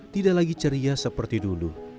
tidak lagi ceria seperti dulu